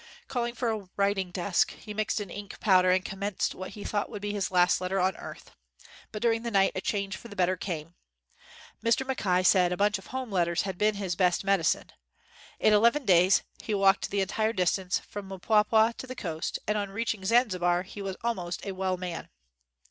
Calling for a writing desk, he mixed an ink powder and commenced what he thought would be his last letter on earth. But during the night, a change for the better came. Mr. Mackay said a bunch of home letters had been his best medicine. In eleven days he walked the entire distance from Mpwapwa to the coast, and on reaching Zanzibar he was almost a well man.